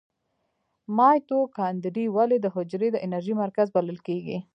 مایتوکاندري ولې د حجرې د انرژۍ مرکز بلل کیږي؟